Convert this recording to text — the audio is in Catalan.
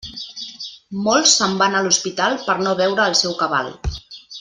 Molts se'n van a l'hospital per no veure el seu cabal.